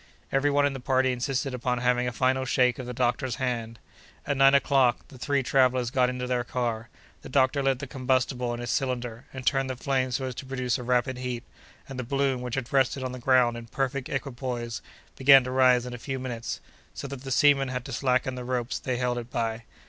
Every one in the party insisted upon having a final shake of the doctor's hand. At nine o'clock the three travellers got into their car. The doctor lit the combustible in his cylinder and turned the flame so as to produce a rapid heat, and the balloon, which had rested on the ground in perfect equipoise, began to rise in a few minutes, so that the seamen had to slacken the ropes they held it by.